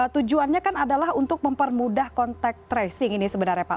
tujuannya kan adalah untuk mempermudah kontak tracing ini sebenarnya pak